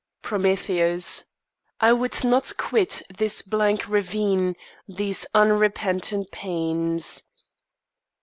PROMETHEUS. I would not quit This bleak ravine, these unrepentant pains.